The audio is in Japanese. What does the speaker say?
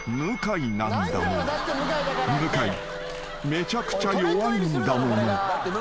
めちゃくちゃ弱いんだもの］